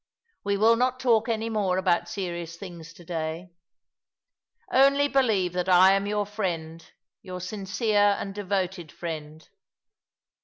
We will not talk any more about serious things to day. Only believe that I am your friend — your sincere and devoted friend.